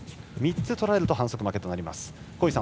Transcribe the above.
３つとられると反則負けになります。